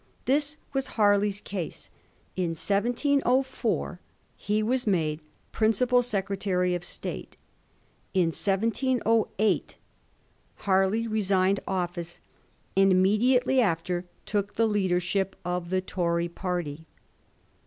This was Harley's case : in 1704 he was made principal Secretary of State. In 1708 Harley resigned office, and immedi ately after took the leadership of the Tory party.